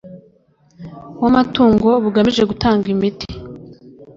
w amatungo bugamije gutanga imiti